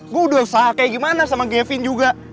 gue udah usaha kayak gimana sama gavin juga